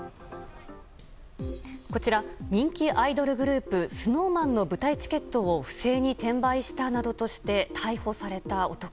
こちら人気アイドルグループＳｎｏｗＭａｎの舞台チケットを不正に転売したなどとして逮捕された男。